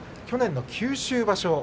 去年の九州場所